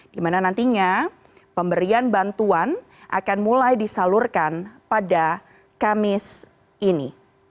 di mana nantinya pemberian bantuan akan mulai disalurkan pada kamis ini